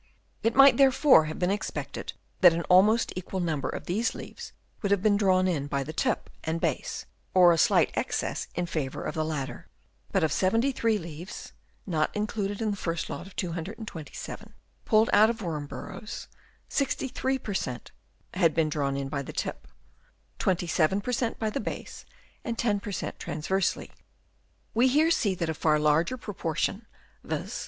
It might, therefore, have been expected that an almost equal number of these leaves would have been drawn in by the tip and base, or a slight excess in favour of the latter. But of 73 leaves (not included in the first lot of 227) pulled out of worm burrows, 63 per cent, had been drawn in by the tip ; 27 per cent, by the base, and 10 per cent, transversely. We here see that a far larger proportion, viz.